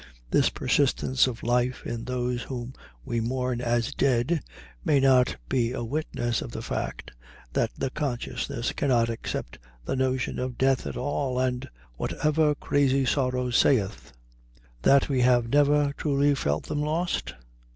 This persistence of life in those whom we mourn as dead, may not it be a witness of the fact that the consciousness cannot accept the notion of death at all, and, "Whatever crazy sorrow saith," that we have never truly felt them lost?